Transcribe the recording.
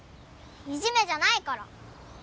いじめじゃないから！